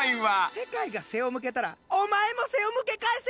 「世界が背を向けたらお前も背を向け返せ！」